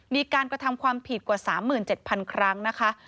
มีการกระทำความผิดกว่า๓๗๐๐ครั้งนะคะ